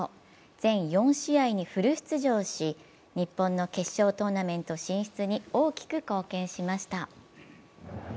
全４試合にフル出場し日本の決勝トーナメント進出に大きく貢献しました。